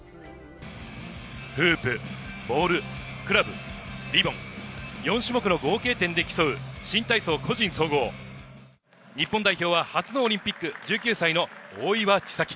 フープ、ボール、クラブ、リボン、４種目の合計点で競う新体操個人総合、日本代表は初のオリンピック１９歳の大岩千未来。